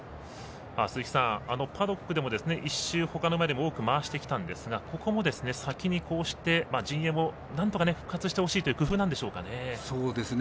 鈴木さん、パドックでも１周、ほかの馬より多く回してきたんですがここも先にこうして陣営もなんとか復活してほしいという工夫なんですかね。